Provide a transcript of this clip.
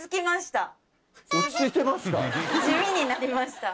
地味になりました。